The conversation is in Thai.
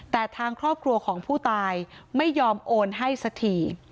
แต่ทางครอบครัวของผู้ตายไม่ยอมโอนให้สักที